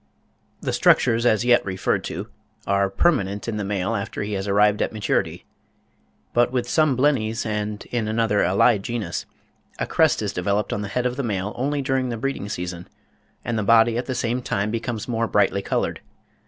The structures as yet referred to are permanent in the male after he has arrived at maturity; but with some Blennies, and in another allied genus (20. Dr. Gunther, 'Catalogue of Fishes,' vol. iii. pp. 221 and 240.), a crest is developed on the head of the male only during the breeding season, and the body at the same time becomes more brightly coloured.